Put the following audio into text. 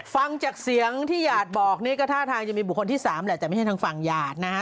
ฟังจากเสียงที่หยาดบอกนี่ก็ท่าทางจะมีบุคคลที่๓แหละแต่ไม่ใช่ทางฝั่งหยาดนะฮะ